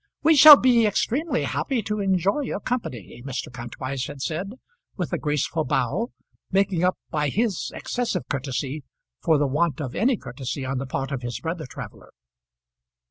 "We shall be extremely happy to enjoy your company," Mr. Kantwise had said, with a graceful bow, making up by his excessive courtesy for the want of any courtesy on the part of his brother traveller.